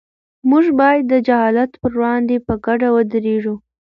موږ باید د جهالت پر وړاندې په ګډه ودرېږو.